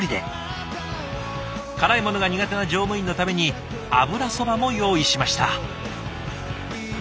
辛いものが苦手な乗務員のために油そばも用意しました。